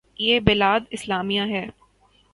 یہ بلاد اسلامیہ ہیں۔